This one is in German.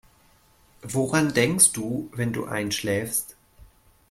Woran denkst du, wenn du einschläfst?